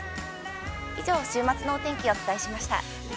以上、週末のお天気をお伝えしました。